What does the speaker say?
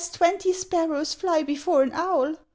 twenty sparrows fly before an owl.